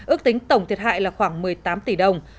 ước tính tổng thiệt hại là khoảng một mươi tám tỷ đồng